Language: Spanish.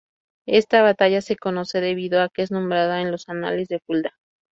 Esta batalla se conoce debido a que es nombrada en los Anales de Fulda.